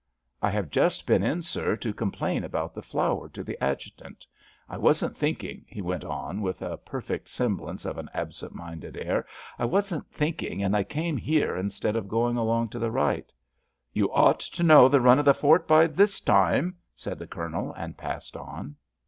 "I have just been in, sir, to complain about the flour to the adjutant. I wasn't thinking," he went on, with a perfect semblance of an absent minded air, "I wasn't thinking, and I came here instead of going along to the right——" "You ought to know the run of the fort by this time," said the Colonel, and passed on.